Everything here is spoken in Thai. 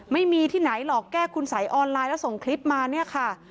ไม่มีที่ไหนหรอกแก้คุณสัยออนไลน์แล้วส่งคลิปมาเนี่ยค่ะ